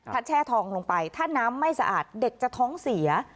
ถ้าแช่ทองลงไปถ้าน้ำไม่สะอาดเด็กจะท้องเสีย